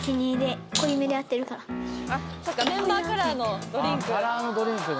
あっそっかメンバーカラーのドリンク